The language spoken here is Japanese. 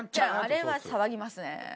あれは騒ぎますね。